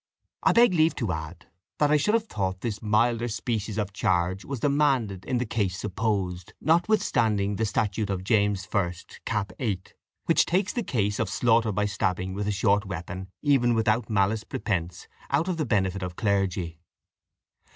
I beg leave to add, that I should have thought this milder species of charge was demanded in the case supposed, notwithstanding the statute of James I. cap. 8, which takes the case of slaughter by stabbing with a short weapon, even without malice prepense, out of the benefit of clergy.